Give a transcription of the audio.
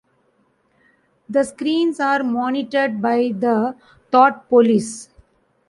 The screens are monitored by the Thought Police.